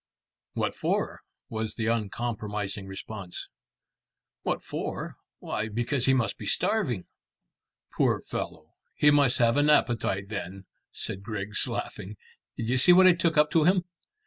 "What for?" was the uncompromising response. "What for? Why, because he must be starving." "Poor fellow! He must have an appetite then," said Griggs, laughing. "Did you see what I took up to him?"